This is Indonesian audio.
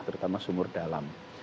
terutama sumur dalam